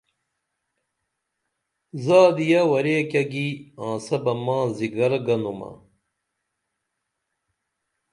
زادیہ ورے کیہ گی آنسہ بہ ما زِگر گنُمہ